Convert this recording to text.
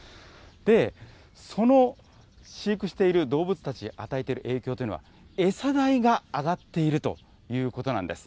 で、その飼育している動物たちに与えている影響というのが、餌代が上がっているということなんです。